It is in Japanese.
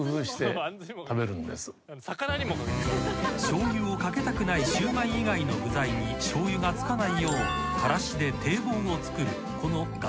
［しょうゆをかけたくないシウマイ以外の具材にしょうゆがつかないようからしで堤防を作るこの我流］